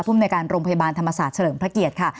ภูมิในการโรงพยาบาลธรรมศาสตร์เฉลิมพระเกียรติค่ะ